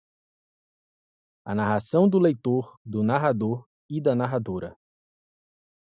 A narração do leitor do narrador e da narradora